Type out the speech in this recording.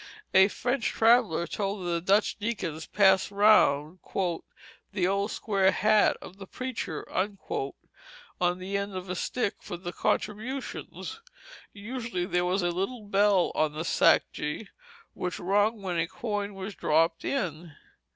A French traveller told that the Dutch deacons passed round "the old square hat of the preacher" on the end of a stick for the contributions. Usually there was a little bell on the sacje which rung when a coin was dropped in.